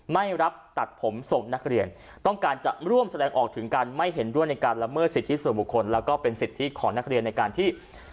ไม่รับตัดผมส่งนักเรียนต้องการจะร่วมแสดงออกถึงการไม่เห็นด้วยในการละเมิดสิทธิส่วนบุคคลแล้วก็เป็นสิทธิของนักเรียนในการที่